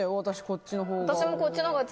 こっちのほうが。